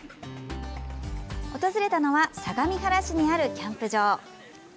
訪れたのは相模原市にあるキャンプ場。